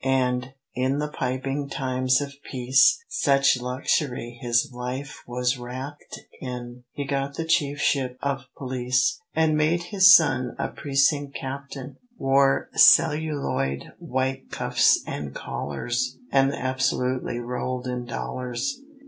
And, in the piping times of peace, Such luxury his life was wrapt in, He got the chief ship of police, (And made his son a Precinct Captain), Wore celluloid white cuffs and collars, And absolutely rolled in dollars.